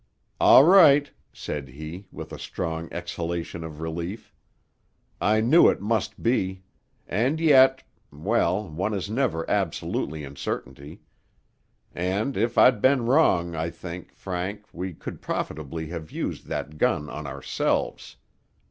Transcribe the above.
"All right," said he, with a strong exhalation of relief. "I knew it must be. And yet—well, one never is absolute in certainty. And if I'd been wrong, I think, Frank, we could profitably have used that gun on ourselves.